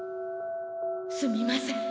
すみません。